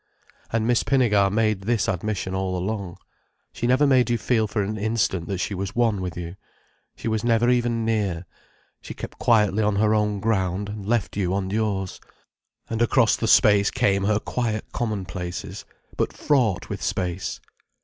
And Miss Pinnegar made this admission all along. She never made you feel for an instant that she was one with you. She was never even near. She kept quietly on her own ground, and left you on yours. And across the space came her quiet commonplaces—but fraught with space.